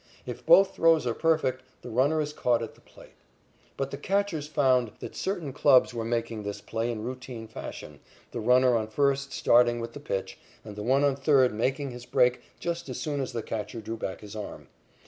If both throws are perfect, the runner is caught at the plate. But the catchers found that certain clubs were making this play in routine fashion, the runner on first starting with the pitch, and the one on third making his break just as soon as the catcher drew back his arm.